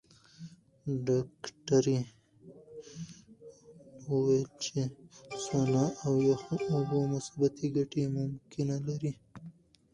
ډاکټره وویل چې سونا او یخو اوبو مثبتې ګټې ممکنه لري.